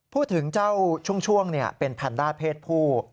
พูดถึงเจ้าช่วงเป็นแพนด้าเพศผู้